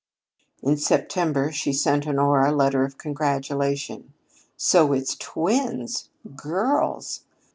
In September she sent Honora a letter of congratulation. "So it's twins! Girls!